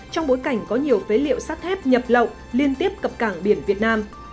trong bối cảnh có nhiều phế liệu sắt thép nhập lậu liên tiếp cập cảng biển việt nam